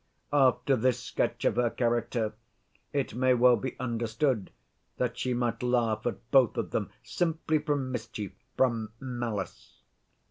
After this sketch of her character it may well be understood that she might laugh at both of them simply from mischief, from malice.